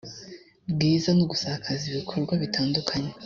bwiza no gusakaza ibikorwa bitandukanye